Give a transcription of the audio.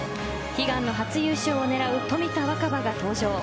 悲願の初優勝を狙う冨田若春が登場。